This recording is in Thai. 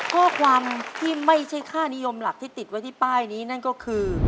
ข้อความที่ไม่ใช่ค่านิยมหลักที่ติดไว้ที่ป้ายนี้นั่นก็คือ